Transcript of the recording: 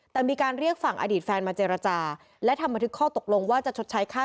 แต่มีการเรียกฝั่งอดีตแฟนมาเจรจาและทำบันทึกข้อตกลงว่าจะชดใช้ค่า